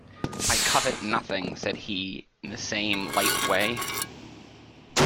"I covet nothing," said he in the same light way.